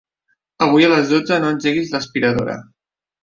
Avui a les dotze no engeguis l'aspiradora.